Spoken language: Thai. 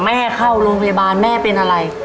เข้าโรงพยาบาลแม่เป็นอะไร